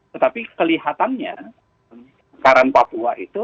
tetapi kelihatannya sekarang papua itu